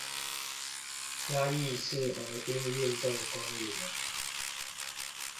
嘉義市河濱運動公園